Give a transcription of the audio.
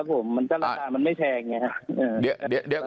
ครับผมมันจะระดาษมันไม่แพงอย่างนี้ครับ